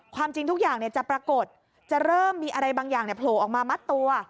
ความจริงทุกอย่างจะปรากฏจะเริ่มมีอะไรบางอย่างโผล่ออกมามัดตัว